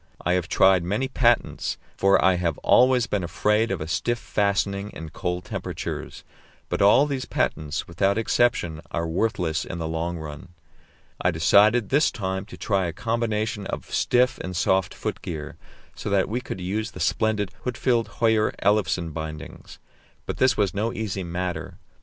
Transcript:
I have tried many patents, for I have always been afraid of a stiff fastening in cold temperatures; but all these patents, without exception, are worthless in the long run. I decided this time to try a combination of stiff and soft foot gear, so that we could use the splendid Huitfeldt Höyer Ellefsen bindings; but this was no easy matter.